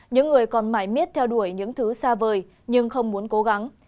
những người còn mãi miết theo đuổi những thứ xa vời nhưng không muốn cố gắng